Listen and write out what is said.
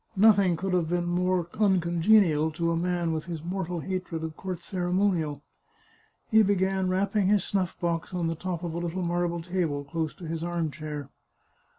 Nothing could have been more uncongenial to a man with his mortal hatred of court ceremonial. He began rapping his snuff box on the top of a little marble table, close to his arm chair.